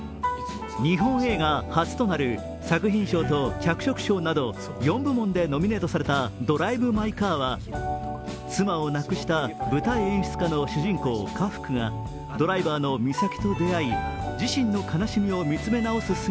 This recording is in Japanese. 日本映画初となる作品賞と脚色賞など４部門でノミネートされた「ドライブ・マイ・カー」は妻を亡くした舞台演出家の主人公、家福がドライバーのみさきと出会い、自身の悲しみを見つめ直す